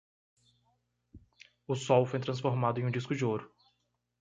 O sol foi transformado em um disco de ouro.